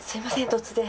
突然。